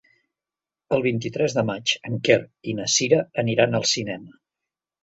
El vint-i-tres de maig en Quer i na Cira aniran al cinema.